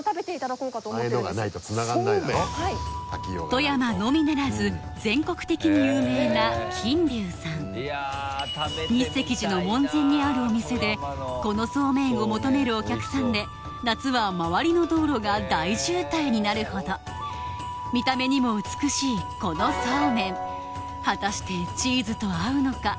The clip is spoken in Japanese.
富山のみならず全国的に有名な日石寺の門前にあるお店でこのそうめんを求めるお客さんで夏は周りの道路が大渋滞になるほど見た目にも美しいこのそうめん果たしてチーズと合うのか？